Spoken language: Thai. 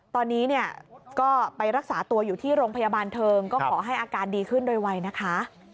ตอนนี้เนี่ยก็ไปรักษาตัวอยู่ที่โรงพยาบาลเทิงก็ขอให้อาการดีขึ้นโดยไวนะคะ